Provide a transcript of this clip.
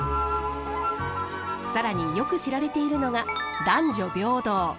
更によく知られているのが男女平等。